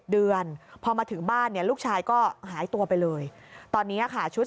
เดือนพอมาถึงบ้านเนี่ยลูกชายก็หายตัวไปเลยตอนนี้ค่ะชุด